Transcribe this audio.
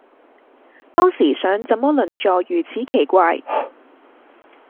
當時想怎麼鄰座如此奇怪